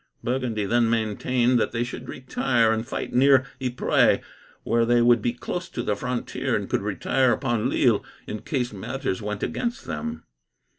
Burgundy then maintained that they should retire, and fight near Ypres, where they would be close to the frontier, and could retire upon Lille in case matters went against them.